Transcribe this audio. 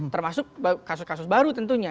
termasuk kasus kasus baru tentunya